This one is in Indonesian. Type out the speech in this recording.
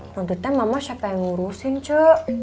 nanti teh mama siapa yang ngurusin cu